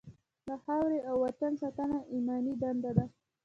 د خاورې او وطن ساتنه ایماني دنده ده.